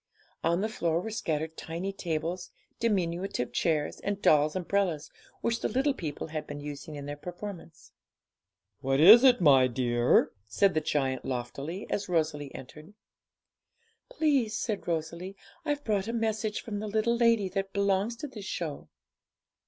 On the floor were scattered tiny tables, diminutive chairs, and dolls' umbrellas, which the little people had been using in their performance. 'What is it, my dear?' said the giant loftily, as Rosalie entered. 'Please,' said Rosalie, 'I've brought a message from the little lady that belongs to this show.'